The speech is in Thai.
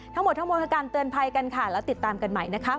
ทั้งหมดทั้งหมดคือการเตือนภัยกันค่ะแล้วติดตามกันใหม่นะคะ